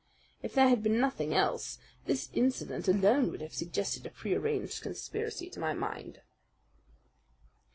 If there had been nothing else, this incident alone would have suggested a prearranged conspiracy to my mind."